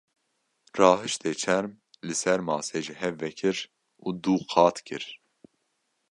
Rahişte çerm, li ser masê ji hev vekir û du qat kir.